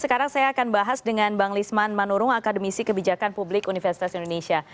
sekarang saya akan bahas dengan bang lisman manurung akademisi kebijakan publik universitas indonesia